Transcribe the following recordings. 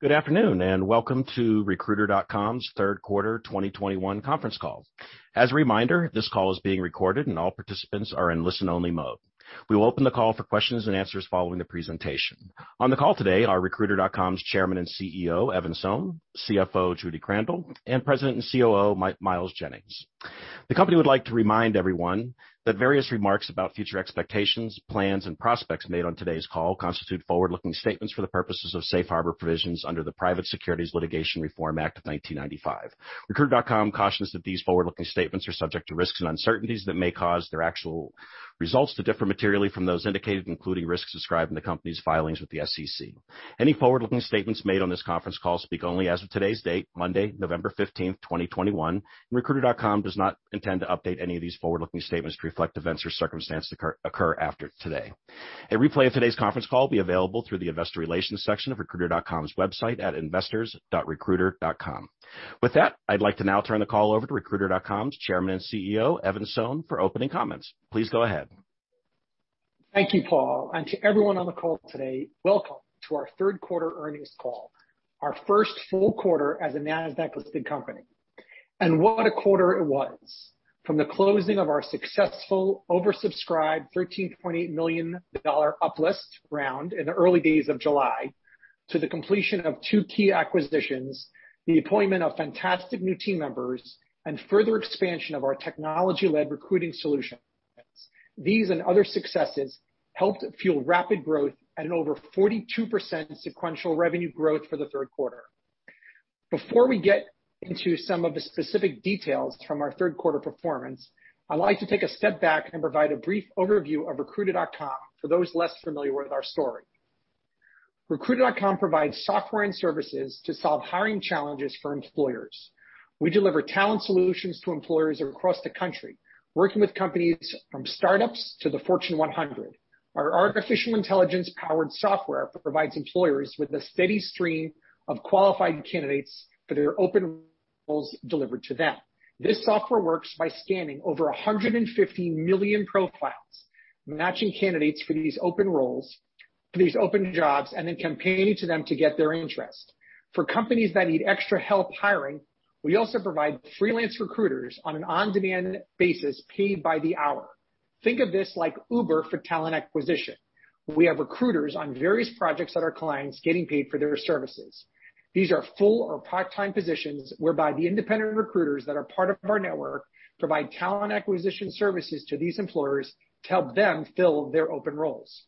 Good afternoon, and welcome to Recruiter.com's Third Quarter 2021 Conference Call. As a reminder, this call is being recorded and all participants are in listen-only mode. We will open the call for questions and answers following the presentation. On the call today are Recruiter.com's Chairman and CEO, Evan Sohn, CFO, Judy Krandel, and President and COO, Miles Jennings. The company would like to remind everyone that various remarks about future expectations, plans, and prospects made on today's call constitute forward-looking statements for the purposes of safe harbor provisions under the Private Securities Litigation Reform Act of 1995. Recruiter.com cautions that these forward-looking statements are subject to risks and uncertainties that may cause their actual results to differ materially from those indicated, including risks described in the company's filings with the SEC. Any forward-looking statements made on this conference call speak only as of today's date, Monday, November 15th, 2021. Recruiter.com does not intend to update any of these forward-looking statements to reflect events or circumstances occurring after today. A replay of today's conference call will be available through the investor relations section of Recruiter.com's website at investors.recruiter.com. With that, I'd like to now turn the call over to Recruiter.com's Chairman and CEO, Evan Sohn, for opening comments. Please go ahead. Thank you, Paul. To everyone on the call today, welcome to our third quarter earnings call, our first full quarter as a NASDAQ-listed company. What a quarter it was. From the closing of our successful oversubscribed $13.8 million uplist round in the early days of July, to the completion of two key acquisitions, the appointment of fantastic new team members, and further expansion of our technology-led recruiting solutions. These and other successes helped fuel rapid growth at an over 42% sequential revenue growth for the third quarter. Before we get into some of the specific details from our third quarter performance, I'd like to take a step back and provide a brief overview of Recruiter.com for those less familiar with our story. Recruiter.com provides software and services to solve hiring challenges for employers. We deliver talent solutions to employers across the country, working with companies from startups to the Fortune 100. Our artificial intelligence-powered software provides employers with a steady stream of qualified candidates for their open roles delivered to them. This software works by scanning over 150 million profiles, matching candidates for these open jobs, and then campaigning to them to get their interest. For companies that need extra help hiring, we also provide freelance recruiters on an on-demand basis, paid by the hour. Think of this like Uber for talent acquisition. We have recruiters on various projects at our clients getting paid for their services. These are full or part-time positions whereby the independent recruiters that are part of our network provide talent acquisition services to these employers to help them fill their open roles.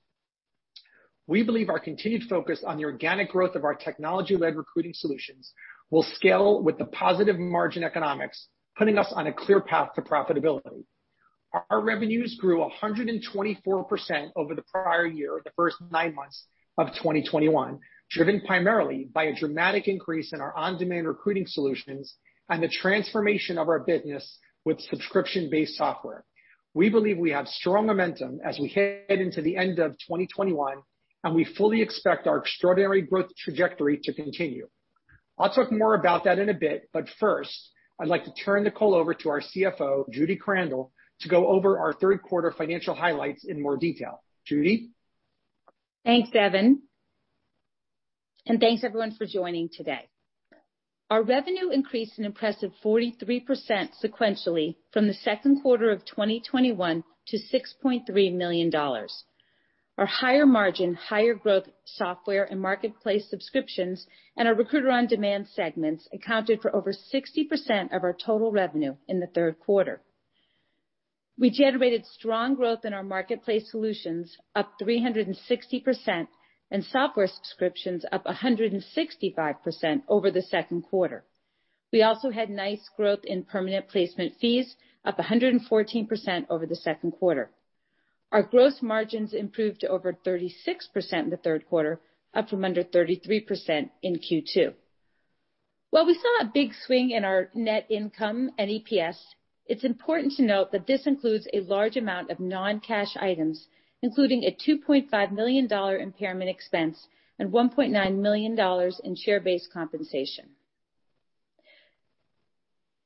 We believe our continued focus on the organic growth of our technology-led recruiting solutions will scale with the positive margin economics, putting us on a clear path to profitability. Our revenues grew 124% over the prior year, the first nine months of 2021, driven primarily by a dramatic increase in our on-demand recruiting solutions and the transformation of our business with subscription-based software. We believe we have strong momentum as we head into the end of 2021, and we fully expect our extraordinary growth trajectory to continue. I'll talk more about that in a bit, but first, I'd like to turn the call over to our CFO, Judy Krandel, to go over our third quarter financial highlights in more detail. Judy? Thanks Evan and thanks everyone for joining today. Our revenue increased an impressive 43% sequentially from the second quarter of 2021 to $6.3 million. Our higher margin, higher growth software and marketplace subscriptions, and our Recruiter On-Demand segments accounted for over 60% of our total revenue in the third quarter. We generated strong growth in our marketplace solutions, up 360%, and software subscriptions up 165% over the second quarter. We also had nice growth in permanent placement fees, up 114% over the second quarter. Our gross margins improved to over 36% in the third quarter, up from under 33% in Q2. While we saw a big swing in our net income and EPS, it's important to note that this includes a large amount of non-cash items, including a $2.5 million impairment expense and $1.9 million in share-based compensation.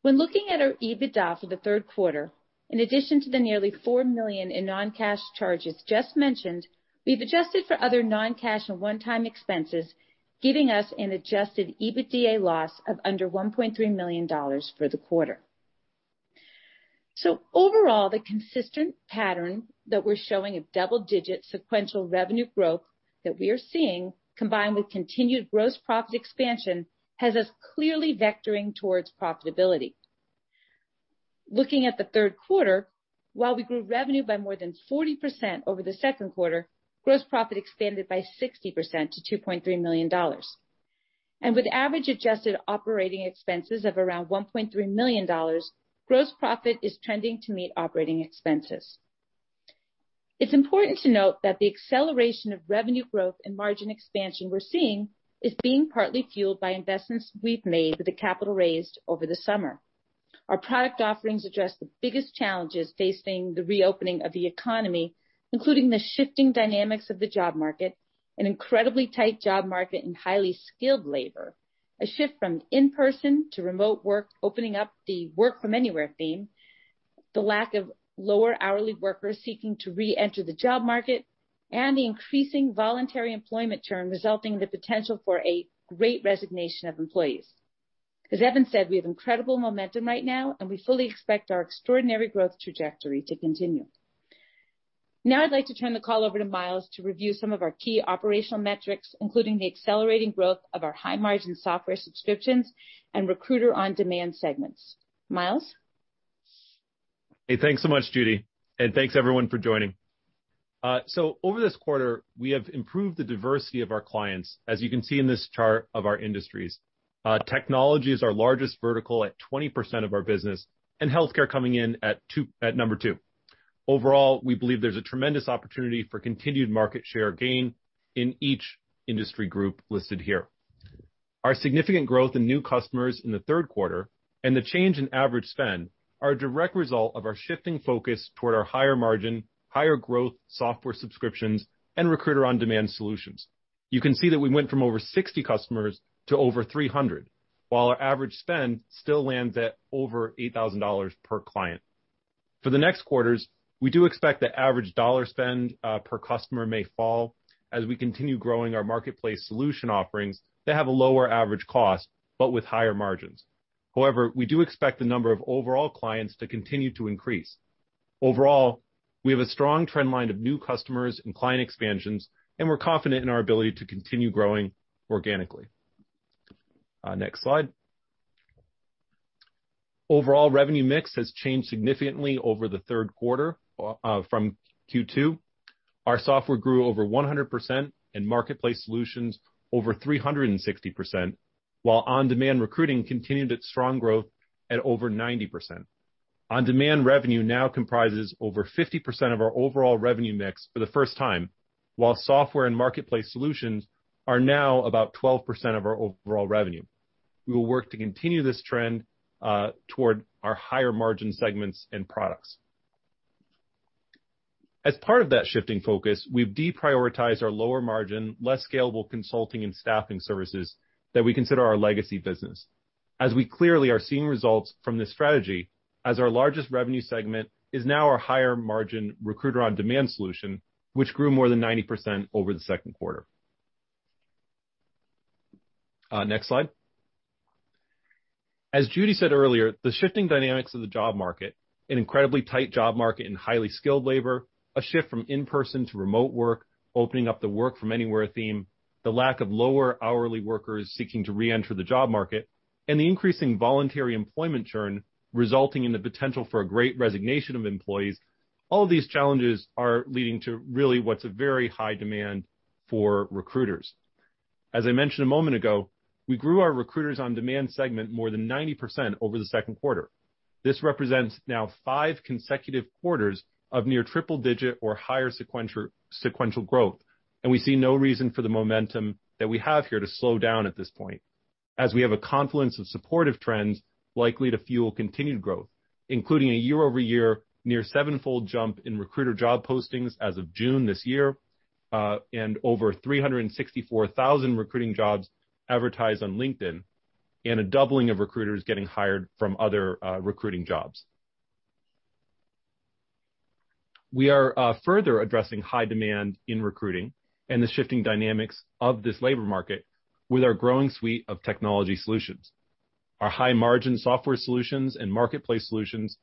When looking at our EBITDA for the third quarter, in addition to the nearly $4 million in non-cash charges just mentioned, we've adjusted for other non-cash and one-time expenses, giving us an Adjusted EBITDA loss of under $1.3 million for the quarter. Overall, the consistent pattern that we're showing of double-digit sequential revenue growth that we are seeing, combined with continued gross profit expansion, has us clearly vectoring towards profitability. Looking at the third quarter, while we grew revenue by more than 40% over the second quarter, gross profit expanded by 60% to $2.3 million. With average adjusted operating expenses of around $1.3 million, gross profit is trending to meet operating expenses. It's important to note that the acceleration of revenue growth and margin expansion we're seeing is being partly fueled by investments we've made with the capital raised over the summer. Our product offerings address the biggest challenges facing the reopening of the economy, including the shifting dynamics of the job market, an incredibly tight job market in highly skilled labor, a shift from in-person to remote work, opening up the work from anywhere theme, the lack of lower hourly workers seeking to reenter the job market and the increasing voluntary employment churn resulting in the potential for a great resignation of employees. As Evan said, we have incredible momentum right now, and we fully expect our extraordinary growth trajectory to continue. Now I'd like to turn the call over to Miles to review some of our key operational metrics, including the accelerating growth of our high-margin software subscriptions and Recruiter On-Demand segments. Miles? Hey, thanks so much Judy and thanks everyone for joining. Over this quarter, we have improved the diversity of our clients, as you can see in this chart of our industries. Technology is our largest vertical at 20% of our business, and healthcare coming in at number two. Overall, we believe there's a tremendous opportunity for continued market share gain in each industry group listed here. Our significant growth in new customers in the third quarter and the change in average spend are a direct result of our shifting focus toward our higher margin, higher growth software subscriptions and recruiter on-demand solutions. You can see that we went from over 60 customers to over 300, while our average spend still lands at over $8,000 per client. For the next quarters, we do expect the average dollar spend per customer may fall as we continue growing our marketplace solution offerings that have a lower average cost but with higher margins. However, we do expect the number of overall clients to continue to increase. Overall, we have a strong trend line of new customers and client expansions, and we're confident in our ability to continue growing organically. Next slide. Overall revenue mix has changed significantly over the third quarter from Q2. Our software grew over 100% and marketplace solutions over 360%, while on-demand recruiting continued its strong growth at over 90%. On-demand revenue now comprises over 50% of our overall revenue mix for the first time, while software and marketplace solutions are now about 12% of our overall revenue. We will work to continue this trend, toward our higher margin segments and products. As part of that shifting focus, we've deprioritized our lower margin, less scalable consulting and staffing services that we consider our legacy business. As we clearly are seeing results from this strategy, as our largest revenue segment is now our higher margin Recruiter On-Demand solution, which grew more than 90% over the second quarter. Next slide. As Judy said earlier, the shifting dynamics of the job market, an incredibly tight job market and highly skilled labor, a shift from in-person to remote work, opening up the work from anywhere theme, the lack of lower hourly workers seeking to reenter the job market, and the increasing voluntary employment churn resulting in the potential for a great resignation of employees. All of these challenges are leading to really what's a very high demand for recruiters. As I mentioned a moment ago, we grew our Recruiter On-Demand segment more than 90% over the second quarter. This represents now five consecutive quarters of near triple digit or higher sequential growth, and we see no reason for the momentum that we have here to slow down at this point, as we have a confluence of supportive trends likely to fuel continued growth, including a year-over-year near seven-fold jump in recruiter job postings as of June this year, and over 364,000 recruiting jobs advertised on LinkedIn and a doubling of recruiters getting hired from other recruiting jobs. We are further addressing high demand in recruiting and the shifting dynamics of this labor market with our growing suite of technology solutions. Our high-margin software solutions and marketplace solutions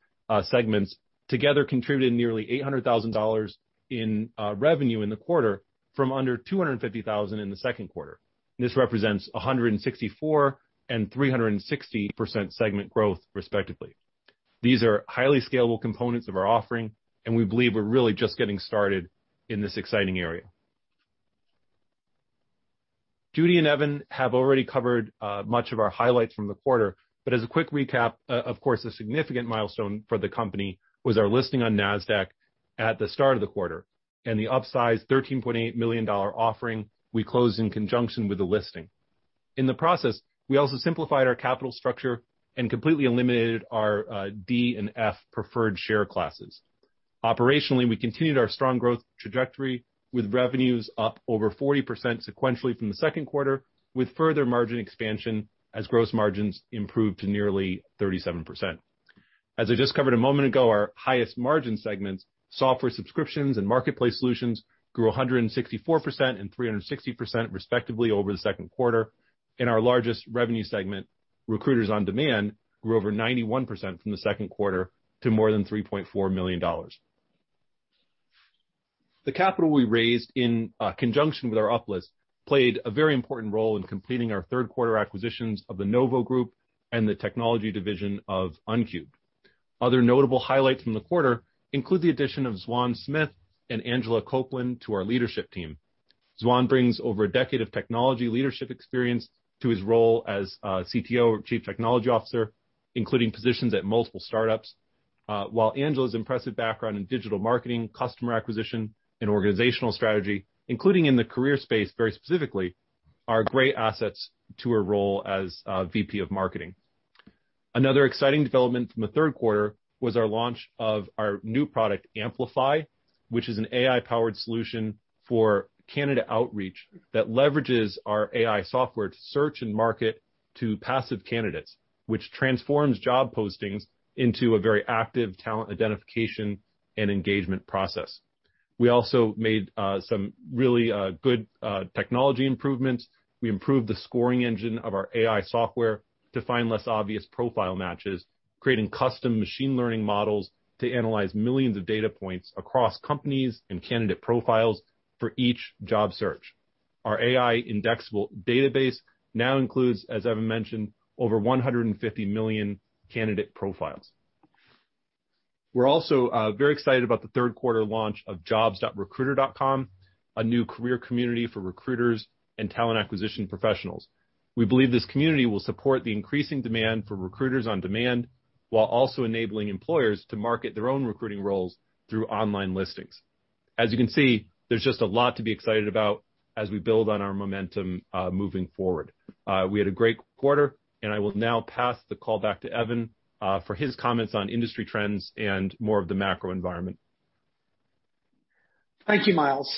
segments together contributed nearly $800,000 in revenue in the quarter from under $250,000 in the second quarter. This represents 164% and 360% segment growth, respectively. These are highly scalable components of our offering, and we believe we're really just getting started in this exciting area. Judy and Evan have already covered much of our highlights from the quarter, but as a quick recap, of course, a significant milestone for the company was our listing on NASDAQ at the start of the quarter and the upsized $13.8 million offering we closed in conjunction with the listing. In the process, we also simplified our capital structure and completely eliminated our D & F preferred share classes. Operationally, we continued our strong growth trajectory with revenues up over 40% sequentially from the second quarter, with further margin expansion as gross margins improved to nearly 37%. As I just covered a moment ago, our highest margin segments, software subscriptions and marketplace solutions, grew 164% and 360%, respectively, over the second quarter, and our largest revenue segment, Recruiter On-Demand, grew over 91% from the second quarter to more than $3.4 million. The capital we raised in conjunction with our uplist played a very important role in completing our third quarter acquisitions of the Novo Group and the technology division of Uncubed. Other notable highlights from the quarter include the addition of Xuan Smith and Angela Copeland to our leadership team. Xuan brings over a decade of technology leadership experience to his role as CTO or Chief Technology Officer, including positions at multiple startups. While Angela's impressive background in digital marketing, customer acquisition, and organizational strategy, including in the career space very specifically, are great assets to her role as VP of Marketing. Another exciting development from the third quarter was our launch of our new product, Amplify, which is an AI-powered solution for candidate outreach that leverages our AI software to search and market to passive candidates, which transforms job postings into a very active talent identification and engagement process. We also made some really good technology improvements. We improved the scoring engine of our AI software to find less obvious profile matches, creating custom machine learning models to analyze millions of data points across companies and candidate profiles for each job search. Our AI indexable database now includes, as Evan mentioned, over 150 million candidate profiles. We're also very excited about the third quarter launch of jobs.recruiter.com, a new career community for recruiters and talent acquisition professionals. We believe this community will support the increasing demand for recruiters on demand, while also enabling employers to market their own recruiting roles through online listings. As you can see, there's just a lot to be excited about as we build on our momentum moving forward. We had a great quarter, and I will now pass the call back to Evan for his comments on industry trends and more of the macro environment. Thank you, Miles.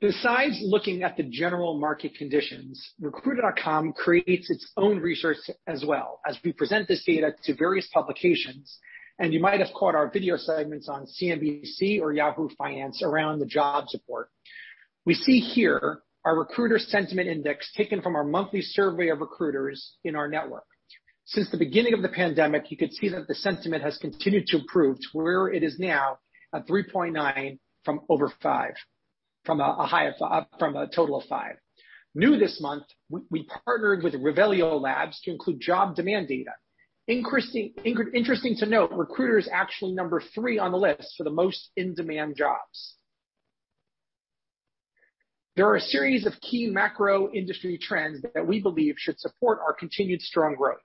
Besides looking at the general market conditions, Recruiter.com creates its own research as well. As we present this data to various publications, you might have caught our video segments on CNBC or Yahoo Finance around the jobs report. We see here our Recruiter Sentiment Index taken from our monthly survey of recruiters in our network. Since the beginning of the pandemic, you could see that the sentiment has continued to improve to where it is now at 3.9 from a total of five. New this month, we partnered with Revelio Labs to include job demand data. Interesting to note, recruiter is actually number three on the list for the most in-demand jobs. There are a series of key macro industry trends that we believe should support our continued strong growth.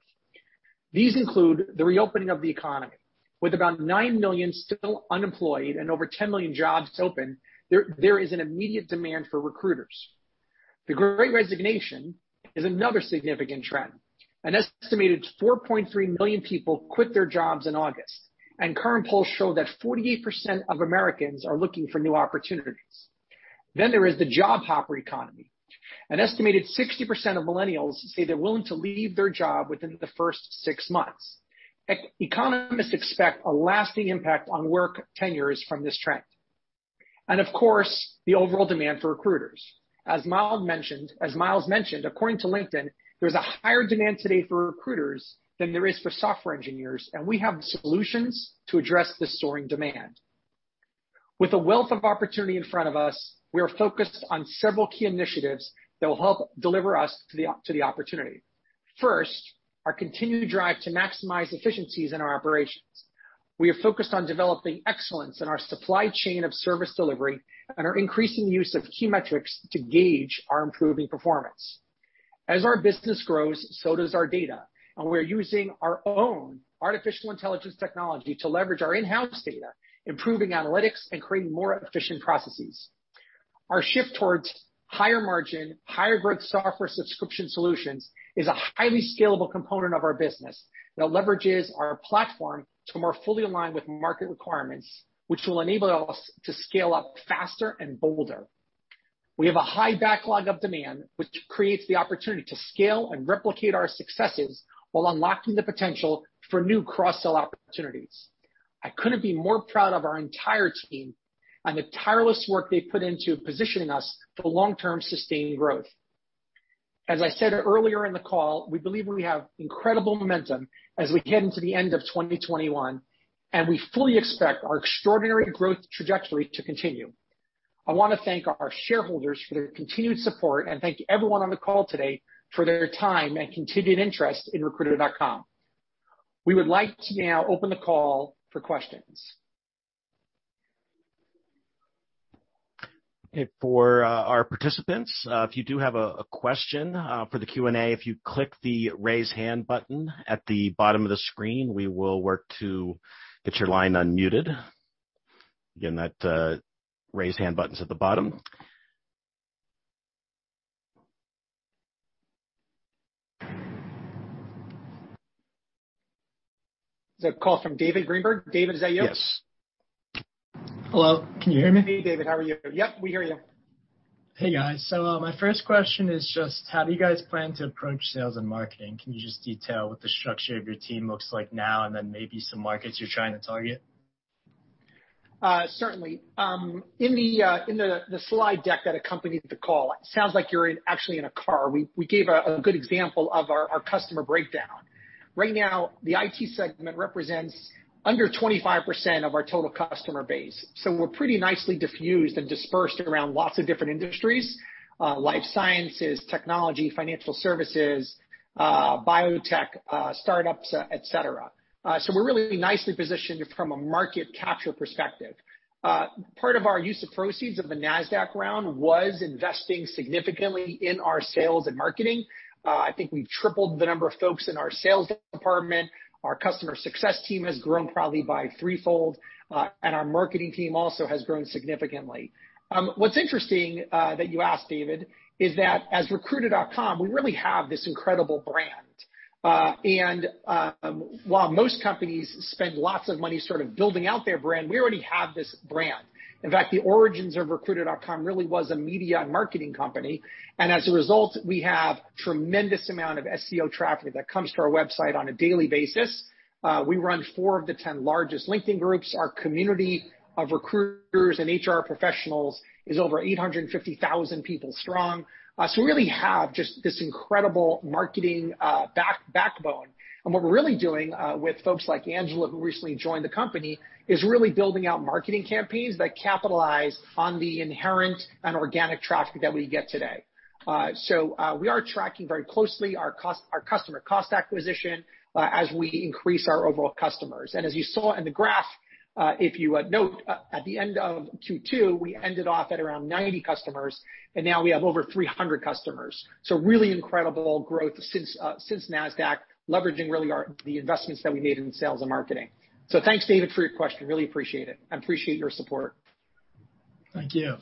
These include the reopening of the economy. With about 9 million still unemployed and over 10 million jobs open, there is an immediate demand for recruiters. The great resignation is another significant trend. An estimated 4.3 million people quit their jobs in August, and current polls show that 48% of Americans are looking for new opportunities. There is the job hopper economy. An estimated 60% of millennials say they're willing to leave their job within the first six months. Economists expect a lasting impact on work tenures from this trend. Of course, the overall demand for recruiters. As Miles mentioned, according to LinkedIn, there's a higher demand today for recruiters than there is for software engineers, and we have the solutions to address this soaring demand. With the wealth of opportunity in front of us, we are focused on several key initiatives that will help deliver us to the opportunity. First, our continued drive to maximize efficiencies in our operations. We are focused on developing excellence in our supply chain of service delivery and our increasing use of key metrics to gauge our improving performance. As our business grows, so does our data, and we're using our own artificial intelligence technology to leverage our in-house data, improving analytics and creating more efficient processes. Our shift towards higher margin, higher growth software subscription solutions is a highly scalable component of our business that leverages our platform to more fully align with market requirements, which will enable us to scale up faster and bolder. We have a high backlog of demand, which creates the opportunity to scale and replicate our successes while unlocking the potential for new cross-sell opportunities. I couldn't be more proud of our entire team and the tireless work they've put into positioning us for long-term sustained growth. As I said earlier in the call, we believe we have incredible momentum as we head into the end of 2021, and we fully expect our extraordinary growth trajectory to continue. I wanna thank our shareholders for their continued support, and thank everyone on the call today for their time and continued interest in Recruiter.com. We would like to now open the call for questions. Okay. For our participants, if you do have a question for the Q&A, if you click the Raise Hand button at the bottom of the screen, we will work to get your line unmuted. Again, that Raise Hand button's at the bottom. Is that a call from David Greenberg? David, is that you? Yes. Hello, can you hear me? David, how are you? Yep, we hear you. Hey, guys. My first question is just how do you guys plan to approach sales and marketing? Can you just detail what the structure of your team looks like now and then maybe some markets you're trying to target? Certainly. In the slide deck that accompanied the call, it sounds like you're actually in a car. We gave a good example of our customer breakdown. Right now, the IT segment represents under 25% of our total customer base. We're pretty nicely diffused and dispersed around lots of different industries, life sciences, technology, financial services, biotech, startups, et cetera. We're really nicely positioned from a market capture perspective. Part of our use of proceeds of the NASDAQ round was investing significantly in our sales and marketing. I think we've tripled the number of folks in our sales department. Our customer success team has grown probably by threefold, and our marketing team also has grown significantly. What's interesting that you asked, David, is that as Recruiter.com, we really have this incredible brand. While most companies spend lots of money sort of building out their brand, we already have this brand. In fact, the origins of Recruiter.com really was a media and marketing company. As a result, we have tremendous amount of SEO traffic that comes to our website on a daily basis. We run four of the 10 largest LinkedIn groups. Our community of recruiters and HR professionals is over 850,000 people strong. We really have just this incredible marketing backbone. What we're really doing with folks like Angela, who recently joined the company, is really building out marketing campaigns that capitalize on the inherent and organic traffic that we get today. We are tracking very closely our customer acquisition cost as we increase our overall customers. As you saw in the graph, if you note, at the end of Q2, we ended up at around 90 customers, and now we have over 300 customers. Really incredible growth since NASDAQ, leveraging really our, the investments that we made in sales and marketing. Thanks, David, for your question. Really appreciate it, and appreciate your support. Thank you.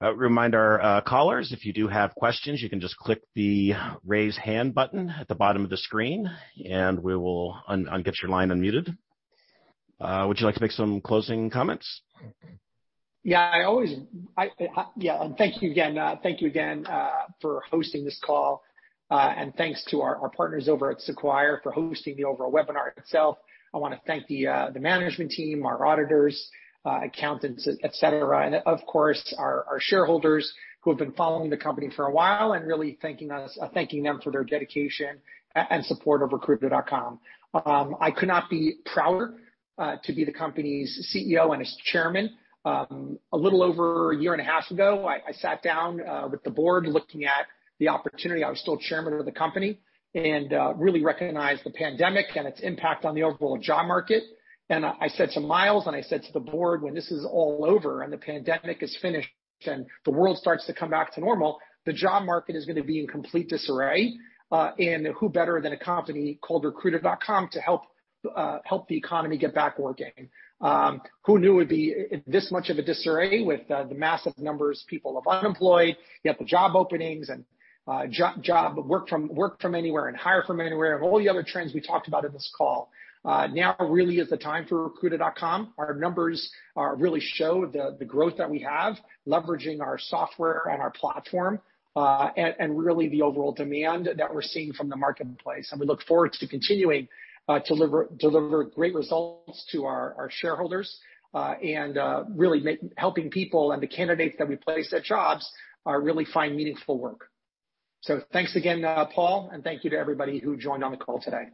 Remind our callers, if you do have questions, you can just click the raise hand button at the bottom of the screen, and we will get your line unmuted. Would you like to make some closing comments? Thank you again for hosting this call. Thanks to our partners over at Sequire for hosting the overall webinar itself. I wanna thank the management team, our auditors, accountants, et cetera. Of course, our shareholders who have been following the company for a while and really thanking them for their dedication and support of Recruiter.com. I could not be prouder to be the company's CEO and its Chairman. A little over a year and a half ago, I sat down with the board looking at the opportunity. I was still Chairman of the company, and really recognized the pandemic and its impact on the overall job market. I said to Miles and I said to the board, "When this is all over and the pandemic is finished and the world starts to come back to normal, the job market is gonna be in complete disarray. Who better than a company called Recruiter.com to help the economy get back working?" Who knew it'd be this much of a disarray with the massive numbers of people unemployed, yet the job openings and work from anywhere and hire from anywhere, and all the other trends we talked about in this call. Now really is the time for Recruiter.com. Our numbers really show the growth that we have, leveraging our software and our platform, and really the overall demand that we're seeing from the marketplace. We look forward to continuing to deliver great results to our shareholders and really helping people and the candidates that we place at jobs really find meaningful work. Thanks again, Paul, and thank you to everybody who joined on the call today.